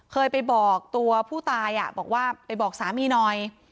เคยไปบอกตัวผู้ตายบอกว่าไปบอกสามีหน่อย